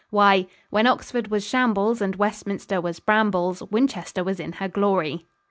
Why, "When Oxford was shambles And Westminster was brambles, Winchester was in her glory."